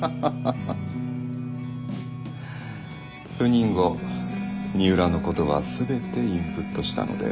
赴任後二浦のことは全てインプットしたので。